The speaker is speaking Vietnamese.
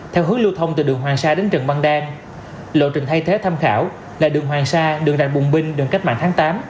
theo hướng lưu thông từ đường hoàng sa đến trần văn đan lộ trình thay thế tham khảo là đường hoàng sa đường rạch bùng binh đường cách mạng tháng tám